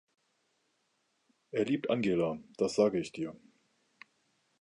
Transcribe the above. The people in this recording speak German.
Er liebt Angela, das sage ich dir.